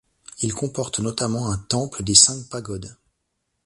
Il comporte notamment un temple des cinq pagodes.